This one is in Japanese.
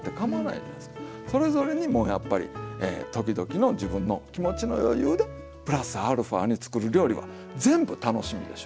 それぞれにもうやっぱり時々の自分の気持ちの余裕でプラスアルファに作る料理は全部楽しみでしょ。